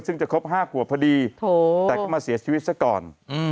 ซึ่งจะครบ๕ขวบพอดีแต่ก็มาเสียชีวิตซะก่อน